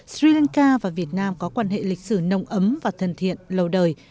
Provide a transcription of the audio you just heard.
sri lanka và việt nam có quan hệ lịch sử nông ấm và thân thiện lâu đời